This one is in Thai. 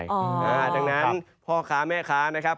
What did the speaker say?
ดังนั้นพ่อค้าแม่ค้านะครับ